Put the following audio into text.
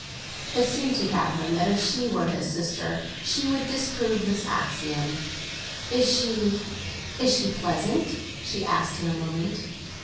It seemed to Catherine that if she were his sister she would disprove this axiom. "Is she—is she pleasant?" she asked in a moment.